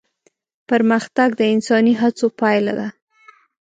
پرمختګ د انساني هڅو پايله ده.